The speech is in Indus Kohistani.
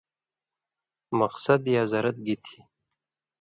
مقصد یا زرَت گی تھی؟